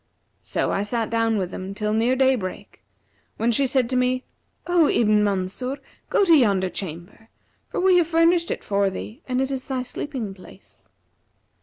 So I sat down with them till near daybreak, when she said to me, 'O Ibn Mansur, go to yonder chamber; for we have furnished it for thee and it is thy sleeping place.'